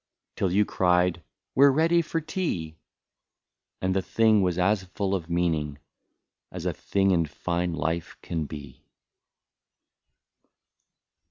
Till you cried " We 're ready for tea ";— And the thing was as full of meaning, — As a thing in fine life can be